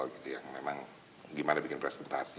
gimana bikin presentasi